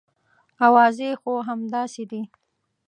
اوازې خو همداسې دي.